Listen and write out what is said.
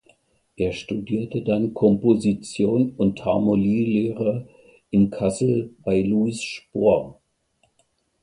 Er studierte dann Komposition und Harmonielehre in Kassel bei Louis Spohr.